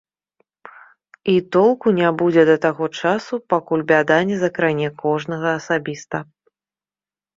І толку не будзе да таго часу, пакуль бяда не закране кожнага асабіста.